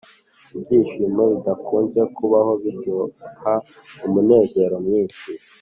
“ibyishimo bidakunze kubaho biduha umunezero mwinshi.”